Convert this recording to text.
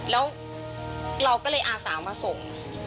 แล้วเราก็เลยอาสามาส่ง